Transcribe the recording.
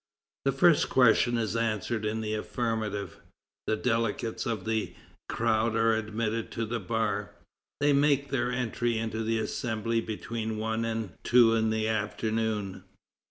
The first question is answered in the affirmative. The delegates of the crowd are admitted to the bar. They make their entry into the Assembly between one and two in the afternoon.